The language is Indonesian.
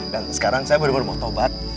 dan sekarang saya baru baru mau taubat